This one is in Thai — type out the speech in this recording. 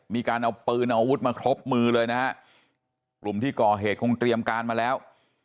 มีการเอาปืนเอาอาวุธมาครบมือเลยนะฮะกลุ่มที่ก่อเหตุคงเตรียมการมาแล้ว